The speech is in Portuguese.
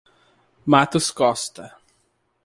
Matos Costa